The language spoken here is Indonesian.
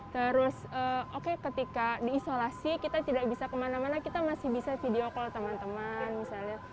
terus oke ketika diisolasi kita tidak bisa kemana mana kita masih bisa video call teman teman misalnya